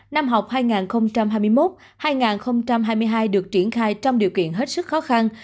năm học hai nghìn hai mươi một hai nghìn hai mươi hai được triển khai trong điều kiện hết sức khó khăn